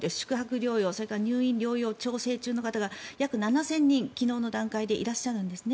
療養それから入院・療養調整中の方が約７０００人昨日の段階でいらっしゃるんですね。